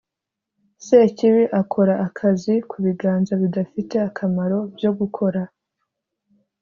sekibi akora akazi kubiganza bidafite akamaro byo gukora